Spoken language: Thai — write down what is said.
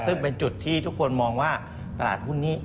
ซึ่งเป็นจุดที่ทุกคนมองว่าตลาดหุ้นนี้